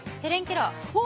お！